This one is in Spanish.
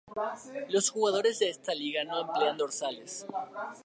Los jugadores de esta liga no emplean dorsales.